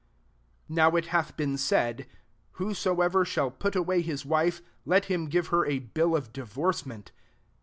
31 <« Now it hath been said, < Whosoever shall put away his wife, let him give her a bill of divorcement.'